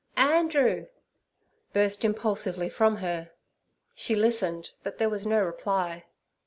'Andrew!' burst impulsively from her. She listened, but there was no reply.